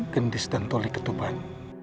gendis dan toleh ketuban